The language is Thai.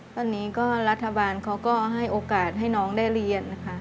ตอนนี้ก็รัฐบาลเขาก็ให้โอกาสให้น้องได้เรียนนะคะ